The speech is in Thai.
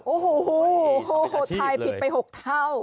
โอ้โหถ่ายผิดไป๖เท่า